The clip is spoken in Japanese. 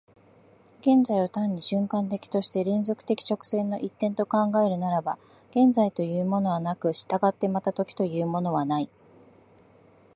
現在を単に瞬間的として連続的直線の一点と考えるならば、現在というものはなく、従ってまた時というものはない。